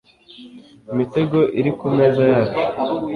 imitego iri kumeza yacu